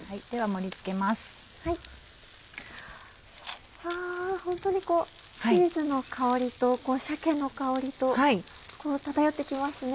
うわホントにこうチーズの香りと鮭の香りと漂って来ますね。